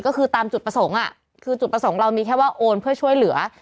ก็คือตามจุดประสงค์คือจุดประสงค์เรามีแค่ว่าโอนเพื่อช่วยเหลือ